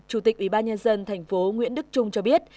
chủ tịch ủy ban nhân dân thành phố nguyễn đức trung cho biết